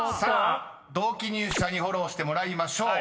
［同期入社にフォローしてもらいましょう。